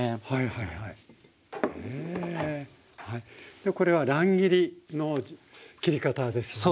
でこれは乱切りの切り方ですよね？